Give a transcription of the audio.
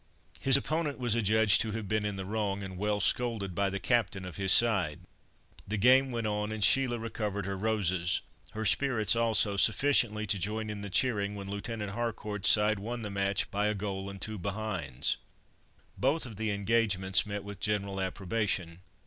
His opponent was adjudged to have been in the wrong, and well scolded by the captain of his side; the game went on, and Sheila recovered her roses—her spirits also, sufficiently to join in the cheering when Lieutenant Harcourt's side won the match by a goal and two behinds. Both of the engagements met with general approbation.